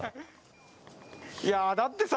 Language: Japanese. いや、だってさ。